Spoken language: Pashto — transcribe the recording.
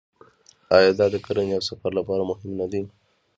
آیا دا د کرنې او سفر لپاره مهم نه دی؟